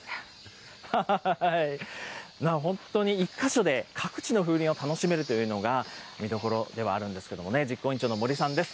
本当に１か所で各地の風鈴を楽しめるというのが見どころではあるんですけどね、実行委員長の森さんです。